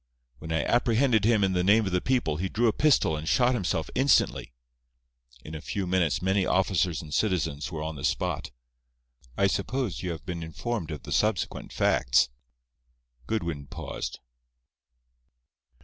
When I apprehended him in the name of the people he drew a pistol and shot himself instantly. In a few minutes many officers and citizens were on the spot. I suppose you have been informed of the subsequent facts." Goodwin paused.